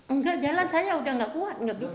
enggak jalan saya udah gak kuat nggak bisa